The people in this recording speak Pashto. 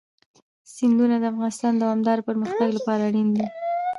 سیندونه د افغانستان د دوامداره پرمختګ لپاره اړین دي.